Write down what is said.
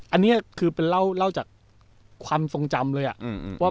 อันที่นี้คือเล่าจากความทรงจำเลยอ่ะ